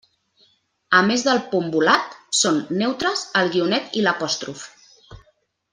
A més del punt volat, són “neutres” el guionet i l'apòstrof.